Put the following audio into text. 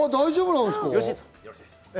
大丈夫なんですか？